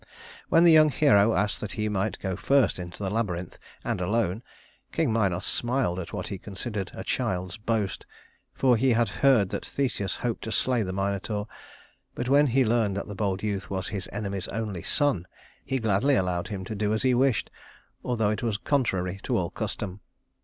When the young hero asked that he might go first into the labyrinth, and alone, King Minos smiled at what he considered a child's boast for he had heard that Theseus hoped to slay the Minotaur; but when he learned that the bold youth was his enemy's only son, he gladly allowed him to do as he wished, although it was contrary to all custom.